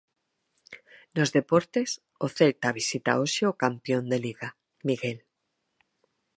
Nos deportes, o Celta visita hoxe o campión de Liga, Miguel.